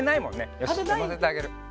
よしのせてあげる。